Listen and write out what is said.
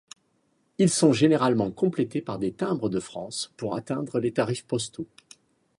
Ils sont généralement complétés par des timbres de France pour atteindre les tarifs postaux.